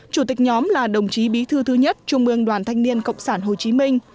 chủ tịch nhóm là đồng chí bí thư thứ nhất trung ương đoàn thanh niên cộng sản hồ chí minh